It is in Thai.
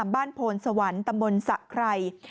บ้านโพนสวรรค์ตำบลสะไคร่